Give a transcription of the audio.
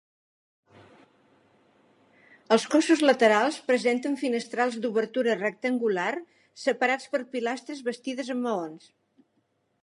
Els cossos laterals presenten finestrals d'obertura rectangular separats per pilastres bastides amb maons.